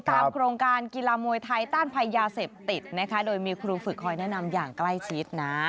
โครงการกีฬามวยไทยต้านภัยยาเสพติดนะคะโดยมีครูฝึกคอยแนะนำอย่างใกล้ชิดนะ